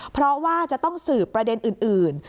เพราะว่าจะต้องสืบประเด็นอื่น